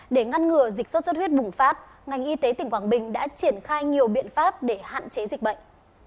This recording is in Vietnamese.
để ngăn ngừa dịch sốt xuất huyết bùng phát ngành y tế tỉnh quảng bình đã triển khai nhiều biện pháp để hạn chế dịch bệnh